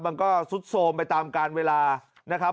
มันก็ซุดโทรมไปตามการเวลานะครับ